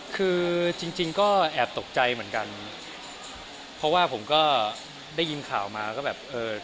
คือจริงจริงก็แอบตกใจเหมือนกันเพราะว่าผมก็ได้ยินข่าวมาก็แบบเออ